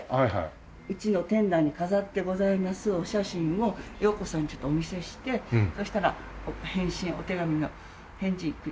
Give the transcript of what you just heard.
うちの店内に飾ってございますお写真をヨーコさんにちょっとお見せしてそしたら返信お手紙の返事くださいましてね。